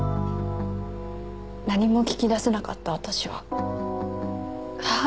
何も聞き出せなかった私は母に尋ねました。